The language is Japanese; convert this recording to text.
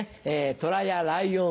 トラやライオン